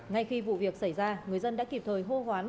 ngay khi vụ việc xảy ra người dân đã kịp thời hô hoán